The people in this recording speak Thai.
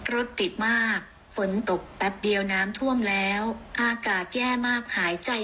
รถติดมากฝนตกแป๊บเดียวน้ำท่วมแล้วอากาศแย่มากหายใจ